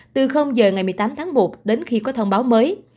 từ giờ ngày một mươi tám tháng một đến khi có thông báo mới